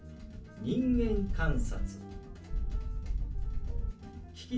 「人間観察」。